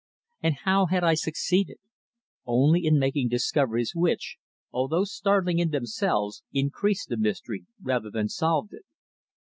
And how had I succeeded? Only in making discoveries which, although startling in themselves, increased the mystery rather than solved it.